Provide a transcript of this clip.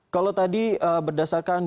kalau tadi berdasarkan